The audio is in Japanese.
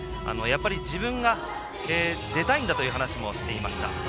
やっぱり自分が出たいんだという話もしていました。